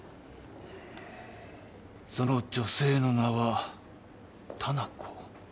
その女性の名は丹那子。